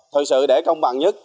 thực sự để công bằng nhất